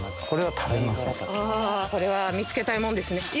これは見つけたいもんですね。